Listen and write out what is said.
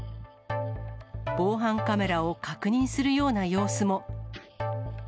防犯カメラを確認するような様子も。